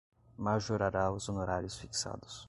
majorará os honorários fixados